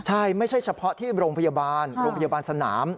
ใช่ไม่ใช่เฉพาะที่โรงพยาบาลโรงพยาบาลสนาม